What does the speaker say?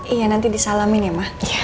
iya nanti disalamin ya mak